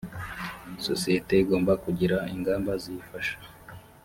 sosiyete igomba kugira ingamba ziyifasha